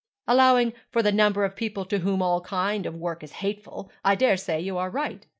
'Allowing for the number of people to whom all kind of work is hateful, I dare say you are right.